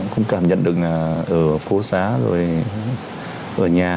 cũng cảm nhận được là ở phố xá rồi ở nhà